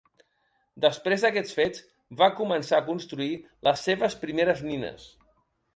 Després d'aquests fets, va començar a construir les seves primeres nines.